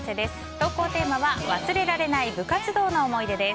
投稿テーマは忘れられない部活動の思い出です。